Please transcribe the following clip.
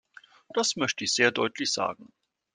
Das möchte ich sehr deutlich sagen.